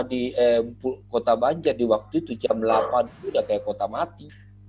di kota banjar di waktu itu jam delapan itu udah kayak kota mati